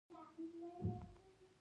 دښمن له شفقت نه وېره لري